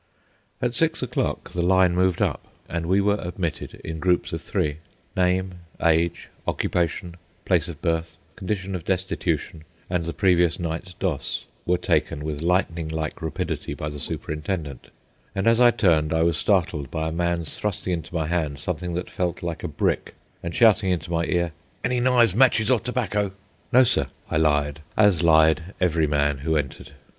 At six o'clock the line moved up, and we were admitted in groups of three. Name, age, occupation, place of birth, condition of destitution, and the previous night's "doss," were taken with lightning like rapidity by the superintendent; and as I turned I was startled by a man's thrusting into my hand something that felt like a brick, and shouting into my ear, "any knives, matches, or tobacco?" "No, sir," I lied, as lied every man who entered.